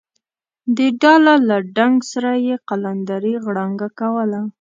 د ډاله له ډنګ سره یې قلندرې غړانګه کوله.